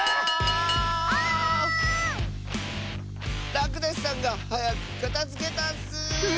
らくだしさんがはやくかたづけたッス！